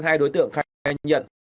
hai đối tượng khai nhận